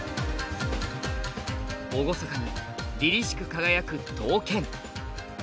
厳かに凜々しく輝く刀剣。